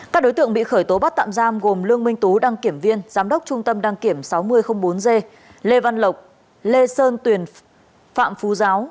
các đối tượng bị khởi tố bắt tạm giam gồm lương minh tú đăng kiểm viên giám đốc trung tâm đăng kiểm sáu mươi bốn g lê văn lộc lê sơn tuyền phạm phú giáo